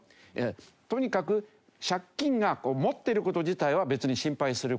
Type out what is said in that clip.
とにかく借金が持ってる事自体は別に心配する事がないんです。